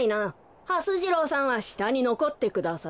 はす次郎さんはしたにのこってください。